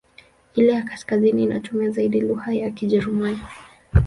Ile ya kaskazini inatumia zaidi lugha ya Kijerumani.